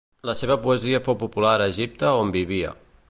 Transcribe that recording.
La seva poesia fou popular a Egipte on vivia.